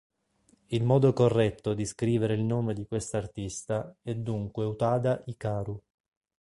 Il modo corretto di scrivere il nome di quest'artista è dunque Utada Hikaru.